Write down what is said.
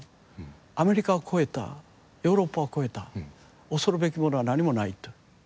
アメリカを超えたヨーロッパを超えた恐るべきものは何もない」と。